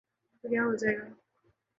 تو کیا ہوجائے گا۔